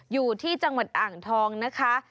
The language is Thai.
อยู่ที่จังหวัดอ่างทองนะคะ